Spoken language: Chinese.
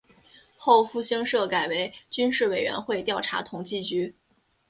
后复兴社改为军事委员会调查统计局。